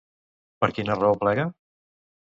Per quina raó plega?